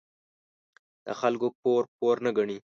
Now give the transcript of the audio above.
د خلکو پور، پور نه گڼي.